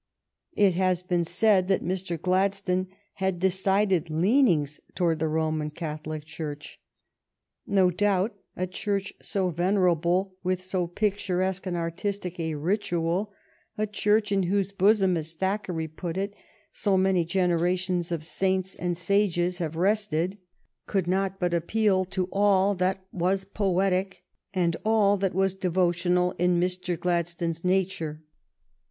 It has been said that Mr. Glad stone had decided leanings towards the Roman Catholic Church. No doubt a Church so venera ble, with so picturesque and artistic a ritual, a Church "in whose bosom," as Thackeray put it, "so many generations of saints and sages have rested," could not but appeal to all that was poetic and all that was devotional in Mr. Gladstone's nature.